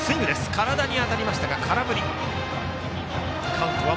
体に当たりましたが空振り。